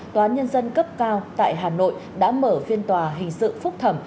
tòa nhân dân cấp cao tại hà nội đã mở phiên tòa hình sự phúc thẩm